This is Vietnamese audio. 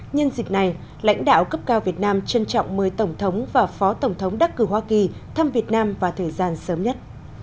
nhân dịp này lãnh đạo cấp cao việt nam trân trọng mời tổng thống và phó tổng thống đắc cử hoa kỳ thăm việt nam vào thời gian sớm nhất